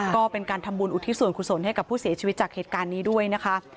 ก็เป็นการทำบุญอุทิศส่วนกุศลให้กับผู้เสียชีวิตจากเหตุการณ์นี้ด้วยนะคะ